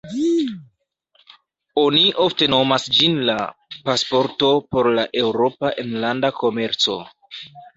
Oni ofte nomas ĝin la "pasporto" por la Eŭropa enlanda komerco.